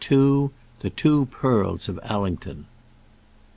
THE TWO PEARLS OF ALLINGTON.